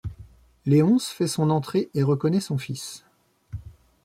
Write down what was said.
Léonce fait son entrée et reconnaît son fils.